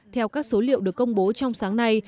theo các số liệu được công bố trong sáng nay